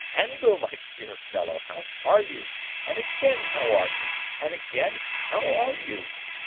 "Handel, my dear fellow, how are you, and again how are you, and again how are you?